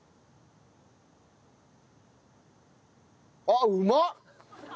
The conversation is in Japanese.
あっうまっ！